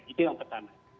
itu yang pertama